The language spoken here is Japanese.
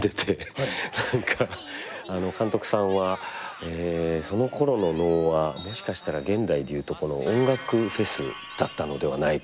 何か監督さんはそのころの能はもしかしたら現代でいうとこの音楽フェスだったのではないかっていうような観点で。